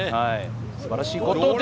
素晴らしいことです。